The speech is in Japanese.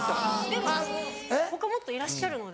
でも他もっといらっしゃるので。